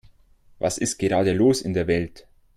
Was ist gerade los in der Welt?